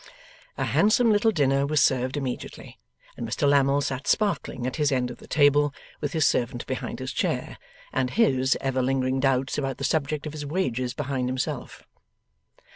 A handsome little dinner was served immediately, and Mr Lammle sat sparkling at his end of the table, with his servant behind his chair, and HIS ever lingering doubts upon the subject of his wages behind himself.